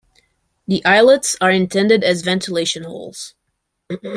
The eyelets are intended as ventilation holes.